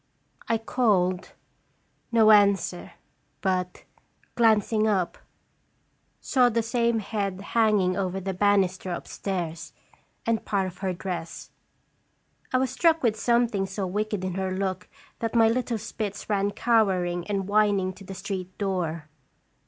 I called, no answer, but, glancing up, saw the same head hanging over the ban isters upstairs, and part of her dress. I was struck with something so wicked in her look that my little Spitz ran cowering and whining to the street door.